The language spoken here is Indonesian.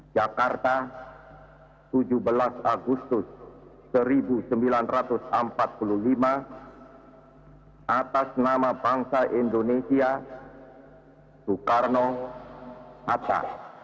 jakarta tujuh belas agustus seribu sembilan ratus empat puluh lima atas nama bangsa indonesia soekarno hatta